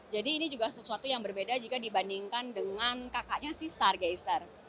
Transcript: jadi ini juga sesuatu yang berbeda jika dibandingkan dengan kakaknya si stargazer